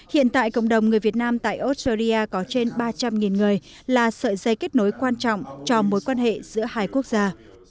hiện tại cộng đồng người việt nam tại australia có trên ba trăm linh người là sợi dây kết nối quan trọng cho mối quan hệ giữa hai quốc gia